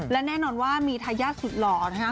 และแน่นอนว่ามีทายาทสุดหล่อนะคะ